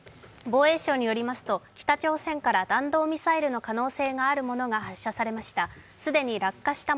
防衛省によりますと、北朝鮮から弾道ミサイルの可能性があるものが発射されました。